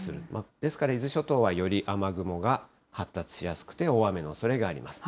ですから、伊豆諸島はより雨雲が発達しやすくて、大雨のおそれがあります。